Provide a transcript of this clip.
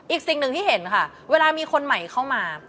อีกสิ่งหนึ่งที่เห็นค่ะเวลามีคนใหม่เข้ามา